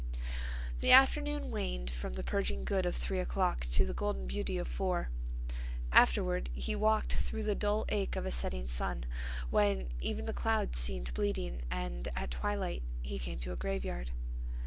The afternoon waned from the purging good of three o'clock to the golden beauty of four. Afterward he walked through the dull ache of a setting sun when even the clouds seemed bleeding and at twilight he came to a graveyard.